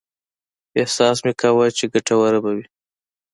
احساس مې کاوه چې ګټوره به وي.